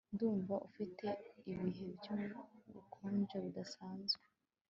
ndumva ufite ibihe by'ubukonje budasanzwe